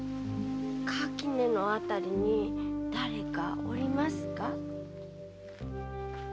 垣根の辺りに誰かおりますか？